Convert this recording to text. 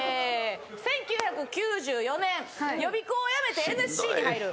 「１９９４年予備校を辞めてＮＳＣに入る」。